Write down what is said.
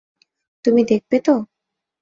তুমি দেখবে তো?